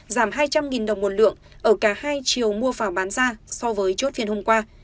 giảm hai trăm linh đồng một lượng ở cả hai chiều mua vào bán ra so với chốt phiên hôm qua